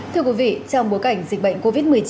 thưa quý vị trong bối cảnh dịch bệnh covid một mươi chín